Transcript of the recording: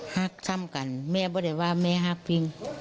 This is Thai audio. ฮักทำกันแม่บอกได้ว่าแม่ฮักพิง